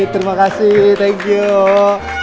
tegi omar tegi omar